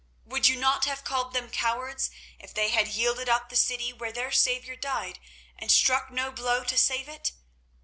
Would you not have called them cowards if they had yielded up the city where their Saviour died and struck no blow to save it?